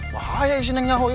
bahaya sih neng nyahui